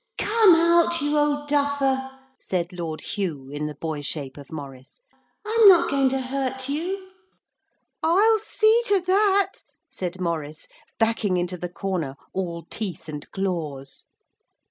'Come out, you old duffer,' said Lord Hugh in the boy shape of Maurice. 'I'm not going to hurt you.' 'I'll see to that,' said Maurice, backing into the corner, all teeth and claws.